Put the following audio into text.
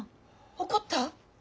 怒った？